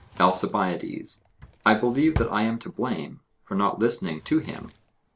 ALCIBIADES: I believe that I am to blame for not listening to him.